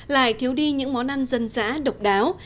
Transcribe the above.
lại thiếu đi những món ăn dân dã độc đáo